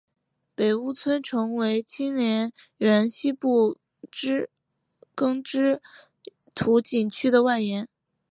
北坞村成为清漪园西部耕织图景区的外延。